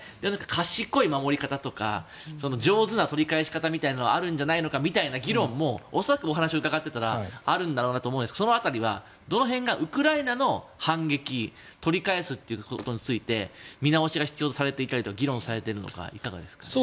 賢い守り方とか上手な取り返し方みたいなのがあるんじゃないかという議論も恐らくお話を伺ってたらあるんだろうなと思うんですがその辺りはどの辺がウクライナの反撃取り返すっていうことについて見直しが必要とされているとか議論されているのかいかがですか。